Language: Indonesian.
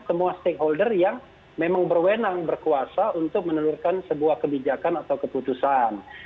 semua stakeholder yang memang berwenang berkuasa untuk menelurkan sebuah kebijakan atau keputusan